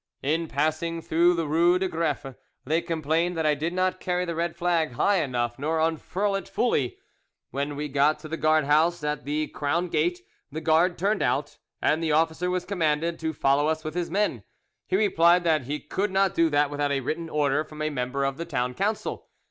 "In passing through the rue des Greffes they complained that I did not carry the red flag high enough nor unfurl it fully. When we got to the guardhouse at the Crown Gate, the guard turned out, and the officer was commanded to follow us with his men. He replied that he could not do that without a written order from a member of the Town Council.